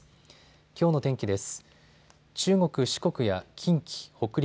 きょうの天気です。